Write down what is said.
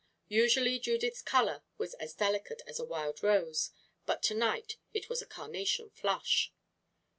Usually Judith's color was as delicate as a wild rose, but to night it was a carnation flush.